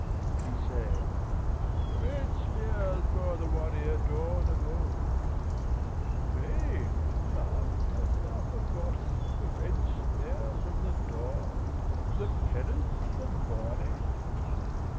He saith: "Red spears bore the warrior dawn Of old Strange! Love, hast thou forgotten The red spears of the dawn, The pennants of the morning?"